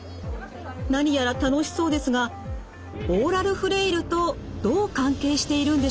何やら楽しそうですがオーラルフレイルとどう関係しているんでしょう？